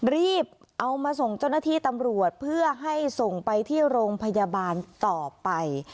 รีบเอามาส่งเจ้าหน้าที่ตำรวจเพื่อให้ส่งไปที่โรงพยาบาลต่อไป